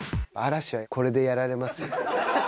嵐はこれでやられますよ。